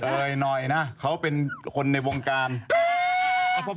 เอาะมันไปเลย